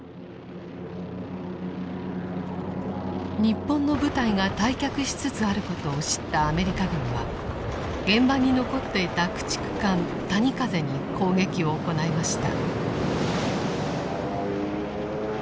日本の部隊が退却しつつあることを知ったアメリカ軍は現場に残っていた駆逐艦「谷風」に攻撃を行いました。